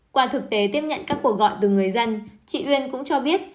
qua thực tế tiếp nhận các cuộc gọi từ người dân chị uyên cũng cho biết